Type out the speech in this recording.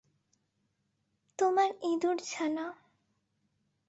তোমার ইঁদুর ছানা।